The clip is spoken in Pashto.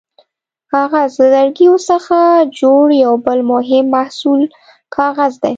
کاغذ: له لرګیو څخه جوړ یو بل مهم محصول کاغذ دی.